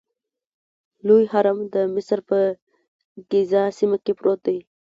لوی هرم د مصر په ګیزا سیمه کې موقعیت لري.